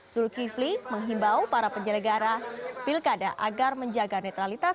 zulkifli menghimbau para penyelenggara pilkada agar menjaga netralitas